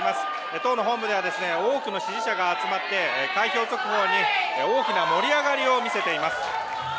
党の本部では多くの支持者が集まって開票速報に大きな盛り上がりを見せています。